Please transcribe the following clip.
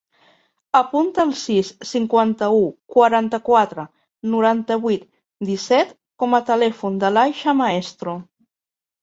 Apunta el sis, cinquanta-u, quaranta-quatre, noranta-vuit, disset com a telèfon de l'Aixa Maestro.